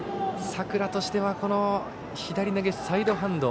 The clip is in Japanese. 佐倉としては左投げサイドハンド